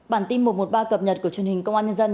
bản tin một trăm một mươi ba tập nhật của truyền hình công an